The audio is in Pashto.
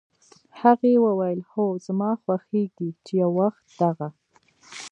هغې وویل: "هو، زما خوښېږي چې یو وخت دغه